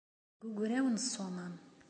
Deg ugraw n Ssumam.